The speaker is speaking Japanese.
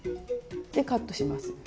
カットします。